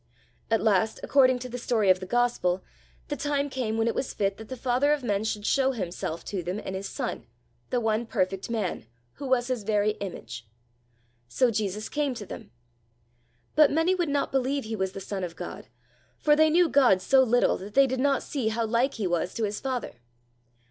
At last, according to the story of the gospel, the time came when it was fit that the Father of men should show himself to them in his son, the one perfect man, who was his very image. So Jesus came to them. But many would not believe he was the son of God, for they knew God so little that they did not see how like he was to his Father.